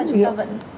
chúng ta vẫn